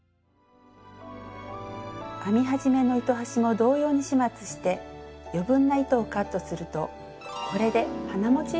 編み始めの糸端も同様に始末して余分な糸をカットするとこれで花モチーフができました。